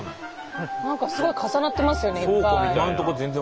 何かすごい重なってますよねいっぱい。